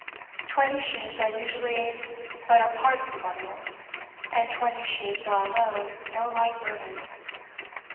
Twenty sheets are usually but a part of the bundle; and twenty sheets are alone no light burden.